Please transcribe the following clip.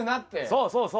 そうそうそう。